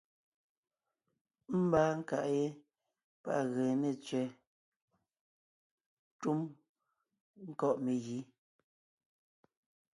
Ḿbaa nkàʼ yé páʼ à gee ne tsẅɛ̀ɛ túm ńkɔ̂ʼ megǐ.